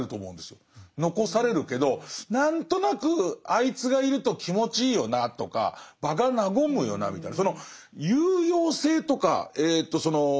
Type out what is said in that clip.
残されるけど何となくあいつがいると気持ちいいよなとか場が和むよなみたいな